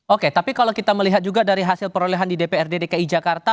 oke tapi kalau kita melihat juga dari hasil perolehan di dprd dki jakarta